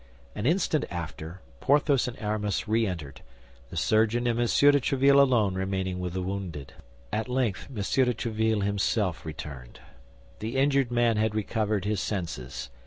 An instant after, Porthos and Aramis re entered, the surgeon and M. de Tréville alone remaining with the wounded. At length, M. de Tréville himself returned. The injured man had recovered his senses.